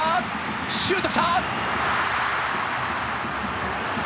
シュート来た！